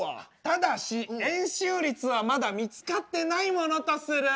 ただし円周率はまだ見つかってないものとする。